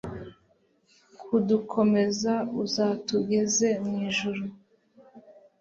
kudukomeza, uzatugeze mu ijuru (